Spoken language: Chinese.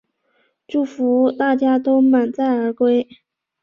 祝福大家都满载而归